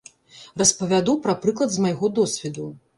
Распавяду пра прыклад з майго досведу.